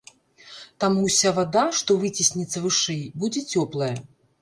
Таму ўся вада, што выціснецца вышэй, будзе цёплая.